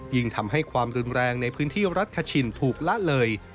ยิ่งทำให้ความรุนแรงในพื้นที่รัฐคชินถูกละเลย